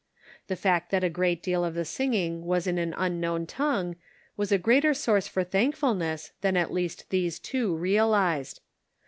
The fact that a great deal of the singing was in an unknown tongue, was a greater source for thankfulness than at least 272 The Pocket Measure. these two realized.